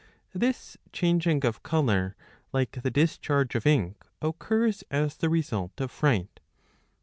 '^ This changing of colour, like the discharge of ink, occurs as the result of fright.